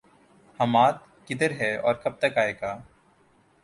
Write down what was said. حماد، کدھر ہے اور کب تک آئے گا؟